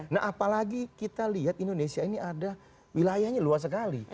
nah apalagi kita lihat indonesia ini ada wilayahnya luas sekali